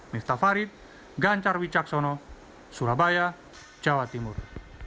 miftah farid ganjar wicaksono surabaya jawa timur